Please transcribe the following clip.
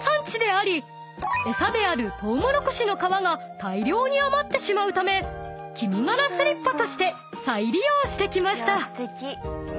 ［餌であるトウモロコシの皮が大量に余ってしまうためきみがらスリッパとして再利用してきました］